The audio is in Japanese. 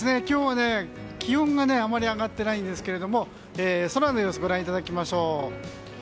今日は気温があまり上がっていないんですが空の様子をご覧いただきましょう。